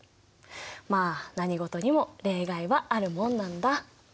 まあ何事にも例外はあるもんなんだ。